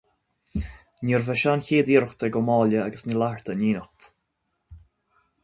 Níorbh é seo an chéad iarracht ag Ó Máille agus Ní Fhlathartaigh in éineacht.